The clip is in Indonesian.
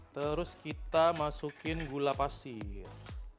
terus kita masukin gula pasir